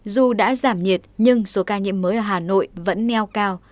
dù đã giảm nhiệt nhưng số ca nhiễm mới ở hà nội vẫn neo cao